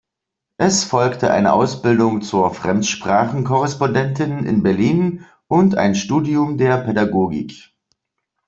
Es folgte eine Ausbildung zur Fremdsprachenkorrespondentin in Berlin und ein Studium der Pädagogik.